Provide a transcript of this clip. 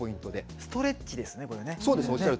ストレッチですね。